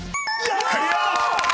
［クリア！］